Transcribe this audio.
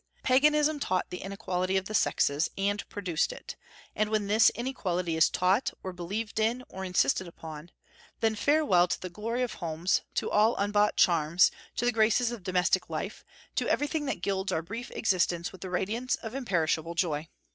Paganism taught the inequality of the sexes, and produced it; and when this inequality is taught, or believed in, or insisted upon, then farewell to the glory of homes, to all unbought charms, to the graces of domestic life, to everything that gilds our brief existence with the radiance of imperishable joy.